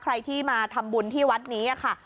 ใครที่มาทำบุญที่วัดนี้ค่ะ